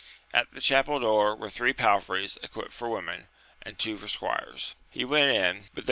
At the chapel door were three palfreys equipped for women, and two for squires. He went in, but there 28 AMADIS OF GAUL.